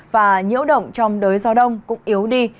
và nhiễu động trong đới gió đông cũng yếu đi